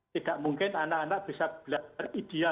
tidak mungkin anak anak bisa belajar ideal